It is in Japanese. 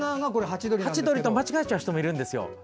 ハチドリと間違えちゃう人もいるんですよ。